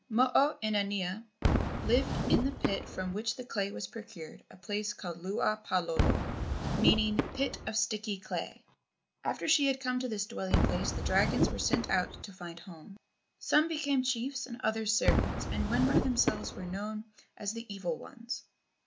Mo o inanea lived in the pit from which this clay was procured, a place called Lua palolo, meaning pit of sticky clay. After she had come to this dwelling place the dragons were sent out to find homes. Some became chiefs and others servants, and when by themselves were known as the evil ones.